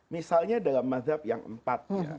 misalnya dalam madhab yang empat ya